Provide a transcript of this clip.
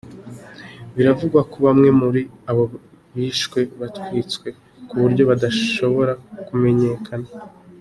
Biravugwa ko bamwe muri abo bishwe batwitswe ku buryo badashobora kumenyekana.